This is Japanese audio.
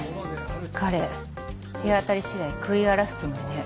彼手当たり次第食い荒らすつもりね。